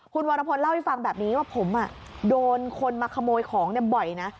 คุณวรพลเล่าให้ฟังแบบนี้ว่าผมโดนคนมาขโมยของบ่อยนะ